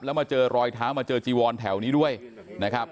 แล้วมาเจอรอยเท้ามาเจอจีวอนแถวนี้ด้วยนะครับ